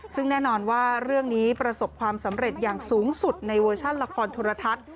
ซึ่งแน่นอนว่าเรื่องนี้ประสบความสำเร็จอย่างสูงสุดในเวอร์ชันละครโทรทัศน์